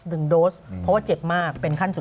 เพราะว่าเจ็บมากเป็นขั้นสุดท้าย